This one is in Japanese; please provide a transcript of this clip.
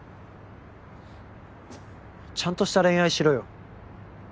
ちゃんとした恋愛しろよ。